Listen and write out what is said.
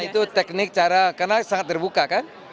itu teknik cara karena sangat terbuka kan